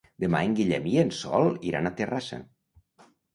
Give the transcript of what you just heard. Demà en Guillem i en Sol iran a Terrassa.